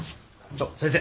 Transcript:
ちょっ先生。